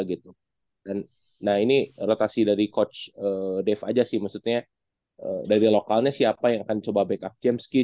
gitu dan nah ini rotasi dari coach dev aja sih maksudnya dari lokalnya siapa yang akan coba berkata dengan pusingnya